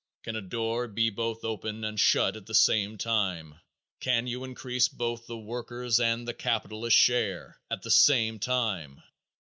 Can a door be both open and shut at the same time? Can you increase both the workers' and the capitalist's share at the same time?